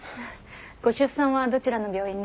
ご出産はどちらの病院で？